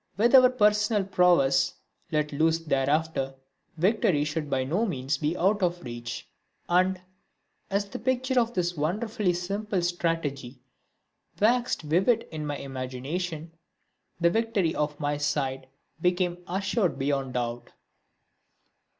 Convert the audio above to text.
With our personal prowess let loose thereafter, victory should by no means be out of reach. And, as the picture of this wonderfully simple strategy waxed vivid in my imagination, the victory of my side became assured beyond doubt.